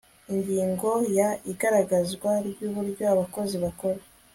ingingo ya igaragazwa ry uburyo abakozi bakora